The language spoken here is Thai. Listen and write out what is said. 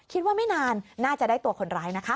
ไม่นานน่าจะได้ตัวคนร้ายนะคะ